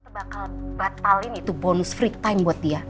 bakal batalin itu bonus free time buat dia